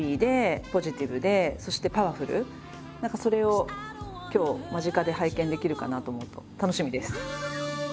何かそれを今日間近で拝見できるかなと思うと楽しみです。